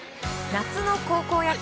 夏の高校野球。